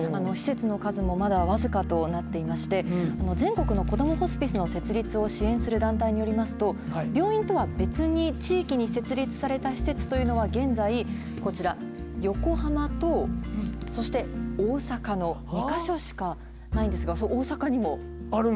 施設の数もまだ僅かとなっていまして、全国のこどもホスピスの設立を支援する団体によりますと、病院とは別に、地域に設立された施設というのは、現在、こちら、横浜とそして大阪の２か所しかないんですが、大阪にも。